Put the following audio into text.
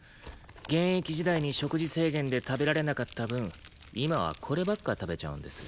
現役時代に食事制限で食べられなかった分今はこればっか食べちゃうんです。